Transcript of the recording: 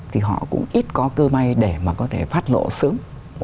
thì họ cũng ít có cơ may để mà có thể phát lộ sớm